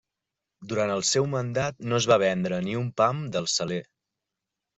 Durant el seu mandat no es va vendre ni un pam del Saler.